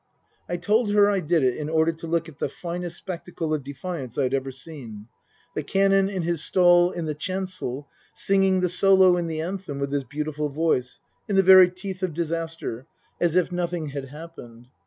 I told her I did it in order to look at the finest spectacle of defiance I had ever seen the Canon in his stall in the chancel singing the solo in the anthem with his beautiful voice, in the very teeth of disaster, as if nothing had happened.